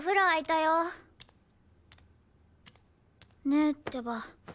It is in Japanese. ねえってば。